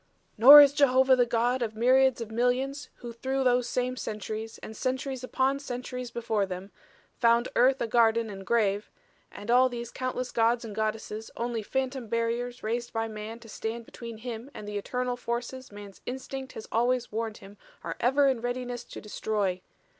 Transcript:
"Nor is Jehovah the God of myriads of millions who through those same centuries, and centuries upon centuries before them, found earth a garden and grave and all these countless gods and goddesses only phantom barriers raised by man to stand between him and the eternal forces man's instinct has always warned him are ever in readiness to destroy.